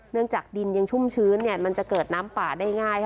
จากดินยังชุ่มชื้นมันจะเกิดน้ำป่าได้ง่าย